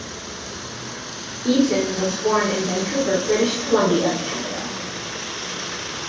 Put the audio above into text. Eaton was born in Vancouver, British Columbia, Canada.